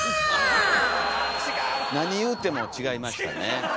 何言うても違いましたね。